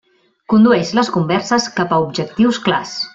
Condueix les converses cap a objectius clars.